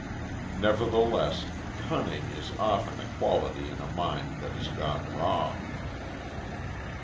Nevertheless, cunning is often a quality in a mind that has gone wrong.